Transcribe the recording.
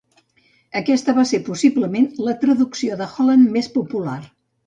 Aquesta va ser, possiblement, la traducció de Holland més popular.